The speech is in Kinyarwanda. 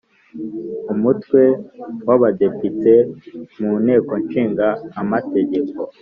Umutwe w Abadepite mu Nteko Ishinga amategeko